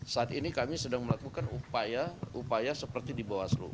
saat ini kami sedang melakukan upaya upaya seperti di bawaslu